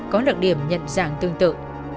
có đặc điểm nhận dạng tương tự